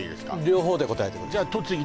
両方で答えてください